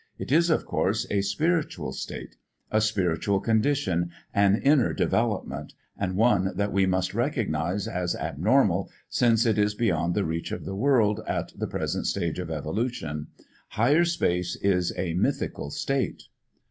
It is, of course, a spiritual state, a spiritual condition, an inner development, and one that we must recognise as abnormal, since it is beyond the reach of the world at the present stage of evolution. Higher Space is a mythical state."